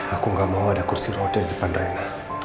aku gak mau ada kursi roda di depan rena